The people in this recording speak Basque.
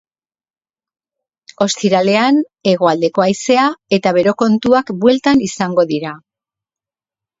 Ostiralean hegoaldeko haizea eta bero kontuak bueltan izango dira.